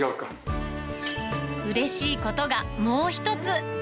うれしいことがもう一つ。